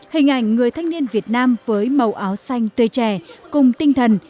hình ảnh người thanh niên việt nam với màu áo xanh tươi trẻ cùng tinh thần